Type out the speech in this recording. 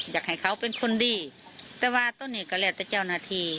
อยากให้เขาเป็นคนดีแต่ว่าตอนนี้ก็แล้วแต่เจ้าหน้าที่